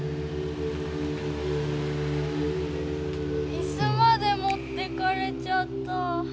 いすまでもってかれちゃった。